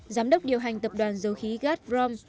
giám đốc điều hành tập đoàn dầu khí gazprom